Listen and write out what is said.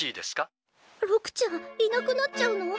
六ちゃんいなくなっちゃうの？